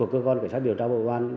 các điều tra bộ quan